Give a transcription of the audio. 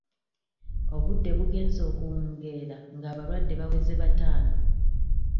Obudde bugenze okuwungeera ng'abalwadde baweze bataano.